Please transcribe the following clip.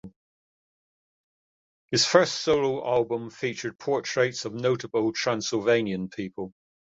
His first solo album featured portraits of notable Transylvanian people.